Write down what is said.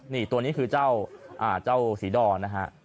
นี่ตัวนี้คือเจ้าศรีดอนนะฮะ